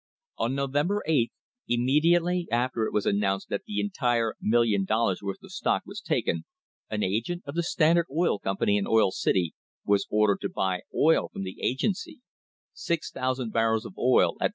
On November 8, immediately after it was announced that the entire million dollars' worth of stock was taken, an agent of the Standard Oil Company in Oil City was ordered to buy oil from the agency — 6,000 barrels of oil at $4.